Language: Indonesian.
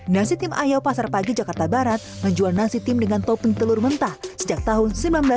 nasi tim ayo pasar pagi jakarta barat menjual nasi tim dengan topeng telur mentah sejak tahun seribu sembilan ratus sembilan puluh